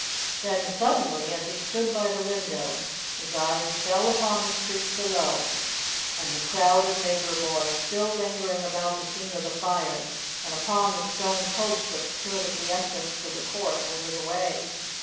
Then suddenly, as he stood by the window, his eyes fell upon the street below and the crowd of neighbor boys still lingering about the scene of the fire, and upon the stone post that stood at the entrance to the court over the way.